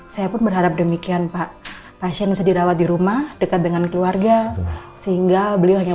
saya pun berharap demikian pak pasien bisa dirawat di rumah dekat dengan keluarga sehingga beliau hanya